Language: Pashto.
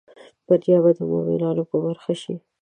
بریا به د مومینانو په برخه شي